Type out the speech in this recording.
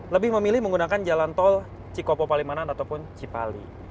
lebih memilih menggunakan jalan tol cikopo palimanan ataupun cipali